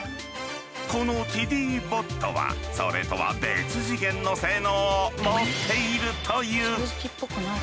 このティディ・ボットはそれとは別次元の性能を持っているという。